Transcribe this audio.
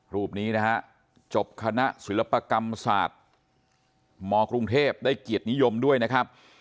รูปนี้นะฮะจบคณะศิลปกรรมศาสตร์มกรุงเทพได้เกียรตินิยมด้วยนะครับ